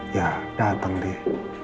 ya datang deh